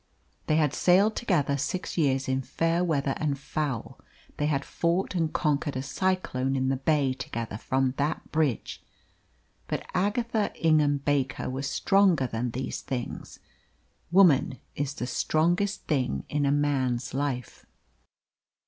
They had sailed together six years in fair weather and foul; they had fought and conquered a cyclone in the Bay together from that bridge; but Agatha Ingham Baker was stronger than these things. Woman is the strongest thing in a man's life.